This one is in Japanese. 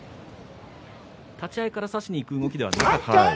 立ち合いから差しにいく形ではなかったと？